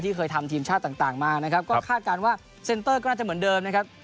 เคยทำทีมชาติต่างมานะครับก็คาดการณ์ว่าเซ็นเตอร์ก็น่าจะเหมือนเดิมนะครับ